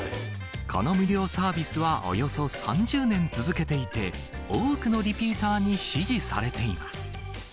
この無料サービスはおよそ３０年続けていて、多くのリピーターに支持されています。